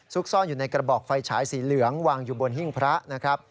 ซ่อนอยู่ในกระบอกไฟฉายสีเหลืองวางอยู่บนหิ้งพระนะครับ